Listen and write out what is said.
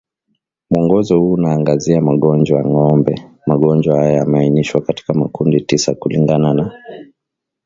Mwongozo huu unaangazia magonjwa ya ng'ombe Magonjwa haya yameainishwa katika makundi tisa kulingana na